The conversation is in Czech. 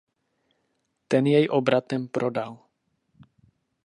Ten jej obratem prodal.